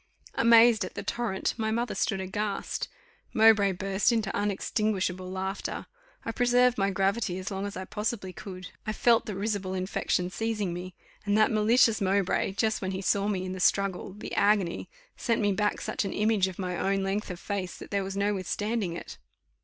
Amazed at the torrent, my mother stood aghast; Mowbray burst into unextinguishable laughter: I preserved my gravity as long as I possibly could; I felt the risible infection seizing me, and that malicious Mowbray, just when he saw me in the struggle the agony sent me back such an image of my own length of face, that there was no withstanding it.